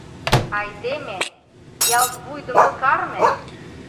Айдеме — ялт вуйдымо карме?